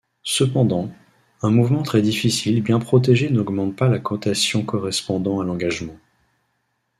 Cependant, un mouvement très difficile bien protégé n'augmente pas la cotation correspondant à l'engagement.